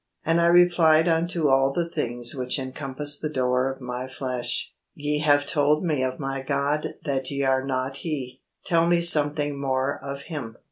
And I replied unto all the things which encompass the door of my flesh, 'Ye have told me of my God that ye are not He: tell me something more of Him.'